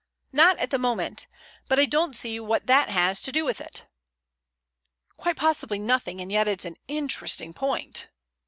"Not at the moment. But I don't see what that has to do with it." "Quite possibly nothing, and yet it's an interesting point."